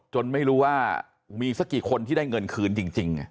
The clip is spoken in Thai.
ไม่รู้ว่ามีสักกี่คนที่ได้เงินคืนจริง